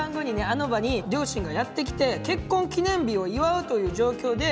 あの場に両親がやって来て結婚記念日を祝うという状況で。